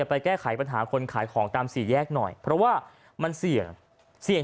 ไปแก้ไขปัญหาคนขายของตามสี่แยกหน่อยเพราะว่ามันเสี่ยงเสี่ยง